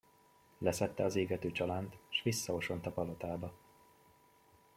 Leszedte az égető csalánt, s visszaosont a palotába.